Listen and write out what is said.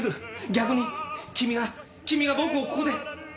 逆に君が君が僕をここで殺す。